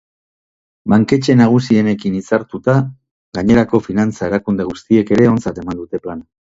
Banketxe nagusienekin hitzartuta, gainerako finantza-erakunde guztiek ere ontzat eman dute plana.